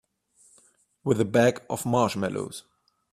With a bag of marshmallows.